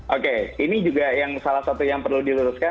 oke ini juga salah satu yang perlu diluruskan